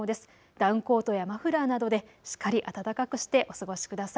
ダウンコートやマフラーなどでしっかり暖かくしてお過ごしください。